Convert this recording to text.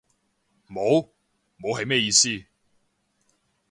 冇？冇係咩意思？